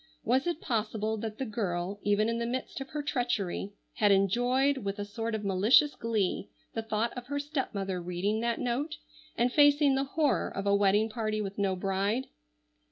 Was it possible that the girl, even in the midst of her treachery, had enjoyed with a sort of malicious glee the thought of her stepmother reading that note and facing the horror of a wedding party with no bride?